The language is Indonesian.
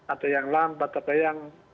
ada yang lambat ada yang